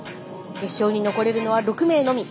決勝に残れるのは６名のみ。